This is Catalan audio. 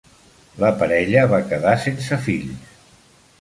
La parella va quedar sense fills.